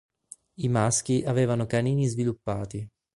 I maschi avevano canini sviluppati.